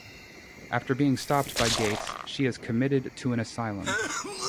After being stopped by Gates, she is committed to an asylum.